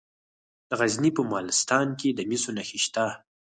د غزني په مالستان کې د مسو نښې شته.